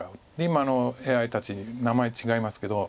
今のＡＩたち名前違いますけど。